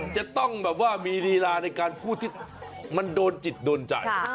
จะต้องแบบว่ามีลีลาในการพูดที่มันโดนจิตโดนใจ